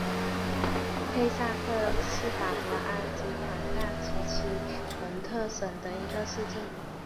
佩萨克是法国阿基坦大区吉伦特省的一个市镇。